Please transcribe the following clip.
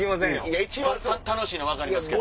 楽しいのは分かりますけど。